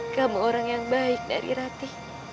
kamu orang yang baik dari rati